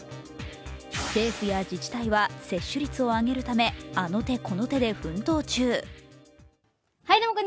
政府や自治体は接種率を上げるためあの手この手で奮闘中。